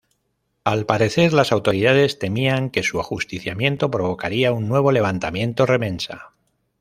Al parecer las autoridades temían que su ajusticiamiento provocaría un nuevo levantamiento remensa.